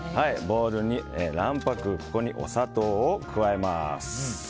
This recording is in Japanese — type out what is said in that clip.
ボウルに卵白ここにお砂糖を加えます。